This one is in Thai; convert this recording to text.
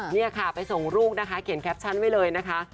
นี่ค่ะไปส่งลูกนะคะเขียนแคปชั่นไว้เลยนะคะ